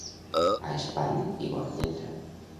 A espai i bona lletra.